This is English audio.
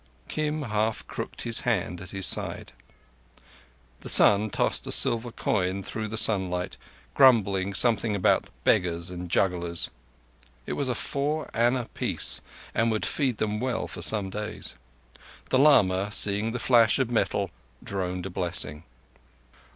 Kim half crooked his hand at his side. The son tossed a silver coin through the sunlight, grumbling something about beggars and jugglers. It was a four anna piece, and would feed them well for days. The lama, seeing the flash of the metal, droned a blessing.